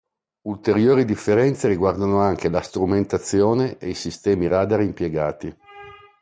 Ulteriori differenze riguardano anche la strumentazione ed i sistemi radar impiegati.